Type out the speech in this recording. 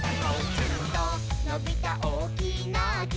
「ヅンとのびたおおきなき」